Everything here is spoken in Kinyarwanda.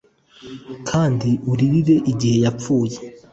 kandi uririre igihe yapfuye.